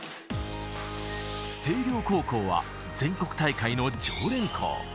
星稜高校は全国大会の常連校。